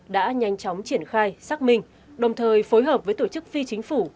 đã nhanh chóng triển khai xác minh đồng thời phối hợp với tổ chức phi chính phủ